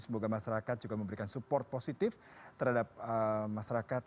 semoga masyarakat juga memberikan support positif terhadap masyarakat